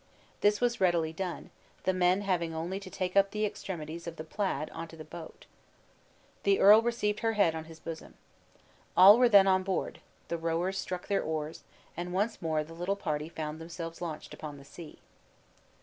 This was readily done, the men having only to take up the extremities of the plaid on to the boat. The earl received her head on his bosom. All were then on board, the rowers struck their oars, and once more the little party found themselves launched upon the sea.